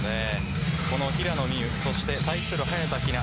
この平野美宇そして、対する早田ひな。